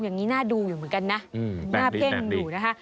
อย่างนี้น่าดูอยู่เหมือนกันนะหน้าเพ่งอยู่นะคะ